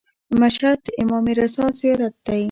مشهد د امام رضا زیارت دی.